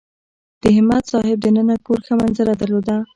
د همت صاحب دننه کور ښه منظره درلوده.